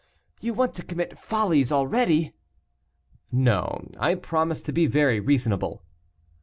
you want to commit follies already." "No, I promise to be very reasonable."